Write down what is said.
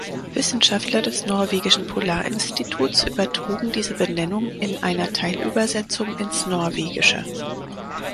Wissenschaftler des Norwegischen Polarinstituts übertrugen diese Benennung in einer Teilübersetzung ins Norwegische.